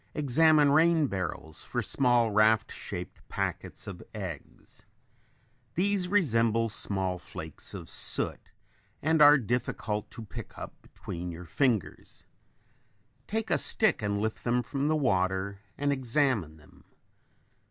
Examine rain barrels for small raft shaped packets of eggs. These resemble small flakes of soot and are difficult to pick up between your fingers. Take a stick and lift them from the water and examine them.